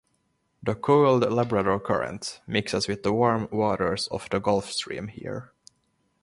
The cold Labrador Current mixes with the warm waters of the Gulf Stream here.